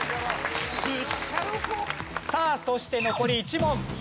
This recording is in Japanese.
さあそして残り１問。